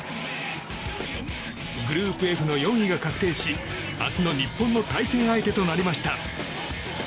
グループＦの４位が確定し明日の日本の対戦相手となりました。